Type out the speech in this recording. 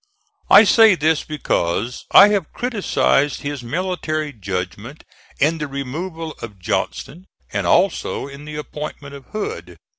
I say this because I have criticised his military judgment in the removal of Johnston, and also in the appointment of Hood.